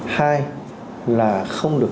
hai là không được